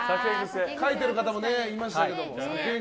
書いてる方もいましたが。